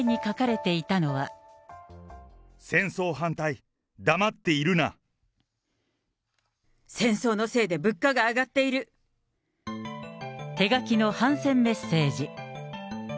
戦争反対、戦争のせいで物価が上がって手書きの反戦メッセージ。